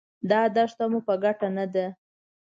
دا دښته مو په ګټه نه ده.